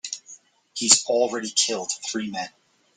He's already killed three men.